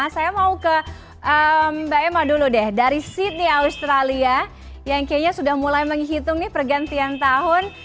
saya mau ke mbak emma dulu deh dari sydney australia yang kayaknya sudah mulai menghitung nih pergantian tahun